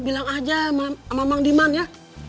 bilang aja sama sama mandiman ya